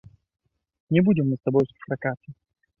Не будзем мы з табой сустракацца.